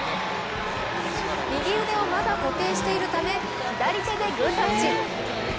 右腕をまだ固定しているため左手でグータッチ。